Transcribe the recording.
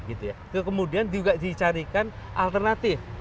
itu kemudian juga dicarikan alternatif